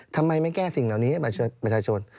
ทำไมไม่แก้สิ่งเหล่านี้ให้ประชาชน